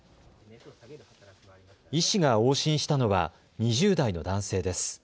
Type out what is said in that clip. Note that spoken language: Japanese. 医師が往診したのは２０代の男性です。